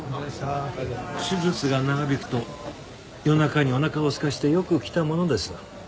手術が長引くと夜中におなかをすかせてよく来たものです。